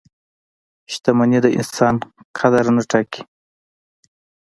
• شتمني د انسان قدر نه ټاکي.